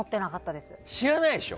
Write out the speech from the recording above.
知らないでしょ？